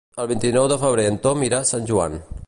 El vint-i-nou de febrer en Tom irà a Sant Joan.